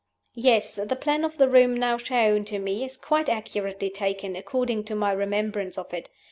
"Yes: the plan of the room now shown to me is quite accurately taken, according to my remembrance of it.